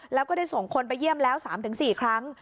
แล้วก็ได้ส่งคนไปเยี่ยมแล้ว๓๔ครั้ง